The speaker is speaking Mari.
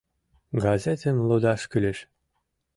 — Газетым лудаш кӱлеш.